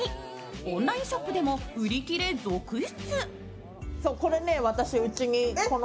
オンラインショップでも売り切れ続出。